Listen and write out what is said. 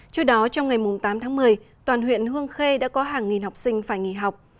trước đó trong ngày tám tháng một mươi toàn huyện hương khê đã có hàng nghìn học sinh phải nghỉ học